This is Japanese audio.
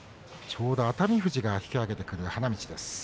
ちょうど熱海富士が引き揚げてくる花道です。